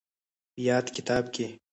په ياد کتاب کې